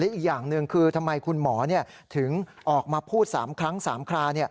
อีกอย่างหนึ่งคือทำไมคุณหมอถึงออกมาพูด๓ครั้ง๓ครา